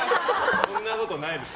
そんなことないですよ。